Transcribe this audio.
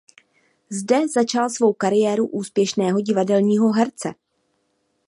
Zde začal svou kariéru úspěšného divadelního herce.